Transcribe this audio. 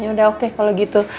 yaudah oke kalo gitu